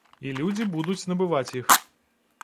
І людзі будуць набываць іх.